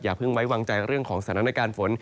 อย่าพึ่งไว้วางใจเองเรื่องของสถานการณ์ฝน